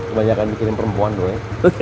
kebanyakan bikin perempuan doi